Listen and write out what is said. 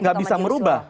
nggak bisa merubah